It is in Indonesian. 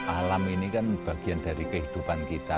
alam ini kan bagian dari kehidupan kita